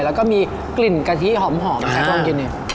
แล้วก็มีกลิ่นกะทิหอมแอคต้องกินเนี่ย